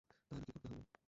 তাহলে কী করতে হবে?